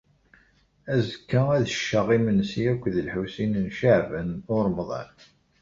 Azekka, ad cceɣ imensi akked Lḥusin n Caɛban u Ṛemḍan.